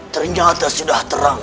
ternyata sudah terang